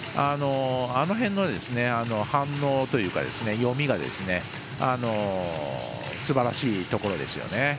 あの辺の、反応というか読みがすばらしいところですよね。